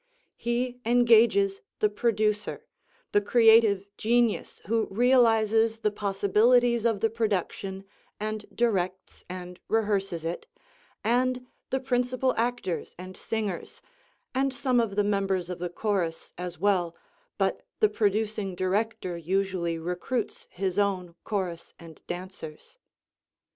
He engages the producer, the creative genius who realizes the possibilities of the production and directs and rehearses it, and the principal actors and singers, and some of the members of the chorus as well, but the producing director usually recruits his own chorus and dancers.